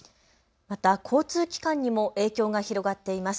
また交通機関にも影響が広がっています。